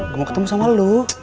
gue mau ketemu sama lo